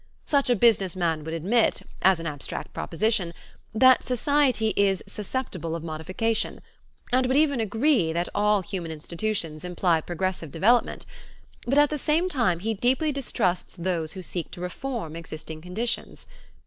Such a business man would admit, as an abstract proposition, that society is susceptible of modification and would even agree that all human institutions imply progressive development, but at the same time he deeply distrusts those who seek to reform existing conditions.